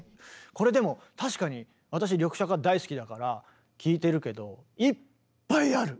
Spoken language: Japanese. これでも確かに私リョクシャカ大好きだから聴いてるけどいっぱいある。